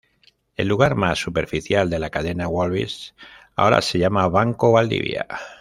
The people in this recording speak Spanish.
El lugar más superficial de la cadena Walvis ahora se llama banco Valdivia.